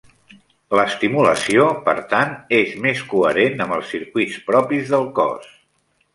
L'estimulació, per tant, és més coherent amb els circuits propis del cos.